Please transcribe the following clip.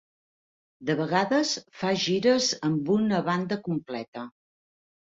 De vegades, fa gires amb una banda completa.